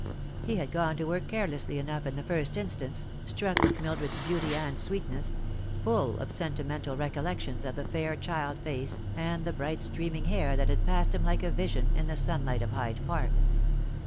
He had gone to work carelessly enough in the first instance, struck with Mildred's beauty and sweetness full of sentimental recollections of the fair child face and the bright streaming hair that had passed him like a vision in the sunlight of Hyde Park.